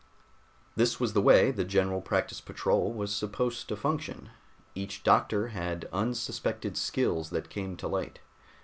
This was the way the General Practice Patrol was supposed to function. Each doctor had unsuspected skills that came to light.